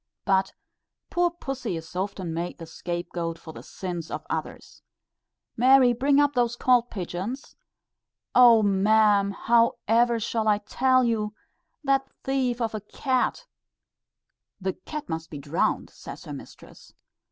But poor pussy is often made the scape goat for the sins of others. "Mary, bring up those cold pigeons." "O ma'am! how ever shall I tell you? That thief of a cat " "The cat must be drowned," says her mistress.